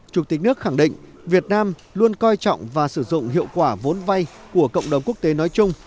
chủ tịch nước khẳng định việt nam luôn coi trọng và sử dụng hiệu quả vốn vay của cộng đồng quốc tế nói chung